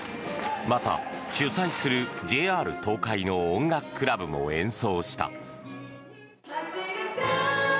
また、主催するＪＲ東海の音楽クラブも演奏した。